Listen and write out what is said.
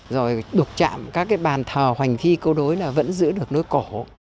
rồi đục chạm các cái bàn thờ hoành thi câu đối là vẫn giữ được nối cổ